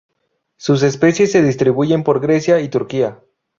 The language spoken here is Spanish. Sus especies se distribuyen por Grecia y Turquía.